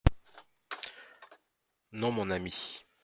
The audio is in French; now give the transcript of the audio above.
«Non, mon ami.